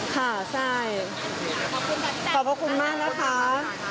ข่าวไส้ขอบคุณมากค่ะพี่ตาย